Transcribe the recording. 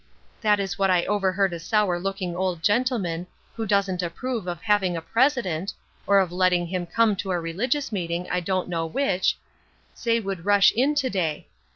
That is what I overheard a sour looking old gentleman, who doesn't approve of having a president or of letting him come to a religious meeting, I don't know which say would rush in to day.